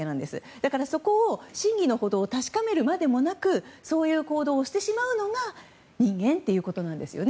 だから真偽のほどを確かめるまでもなくそういう行動をしてしまうのが人間ということなんですよね。